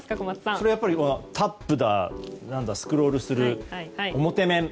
それはタップ、スクロールする表面。